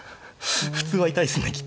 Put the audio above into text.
普通は痛いですねきっと。